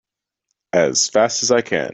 As fast as I can!